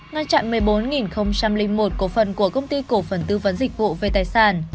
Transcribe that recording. ngăn chặn một mươi bốn một cổ phần của công ty cổ phần tư vấn dịch vụ về tài sản